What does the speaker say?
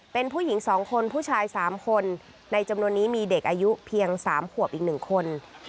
เป็นผู้หญิง๒คนผู้ชาย๓คนในจำนวนนี้มีเด็กอายุเพียง๓ขวบอีก๑คน